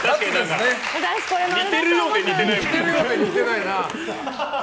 似てるようで似てないもん。